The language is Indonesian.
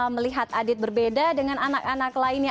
melihat adit berbeda dengan anak anak lainnya